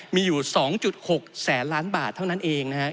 มีอยู่๒๖แสนล้านบาทเท่านั้นเองนะฮะ